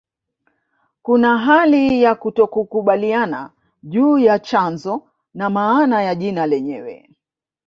Kuna hali ya kutokukubaliana juu ya chanzo na maana ya jina lenyewe